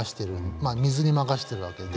まあ水に任せているわけで。